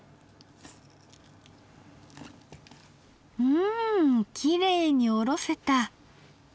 うんきれいにおろせた！